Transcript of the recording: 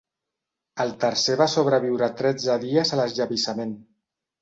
El tercer va sobreviure tretze dies a l'esllavissament.